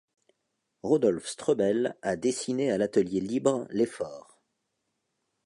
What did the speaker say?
Rodolphe Strebelle a dessiné à l'atelier libre L'Effort.